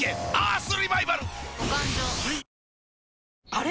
あれ？